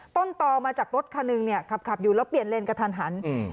ต้นต่อมาจากรถคันหนึ่งเนี่ยขับขับอยู่แล้วเปลี่ยนเลนกระทันหันอืม